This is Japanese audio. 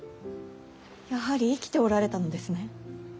やはり生きておられたのですね。